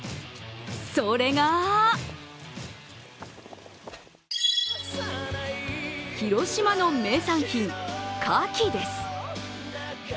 それが広島の名産品、カキです。